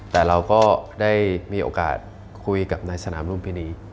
แต่เราก็ได้มีโอกาสคุยกับนายสนามรุมพินี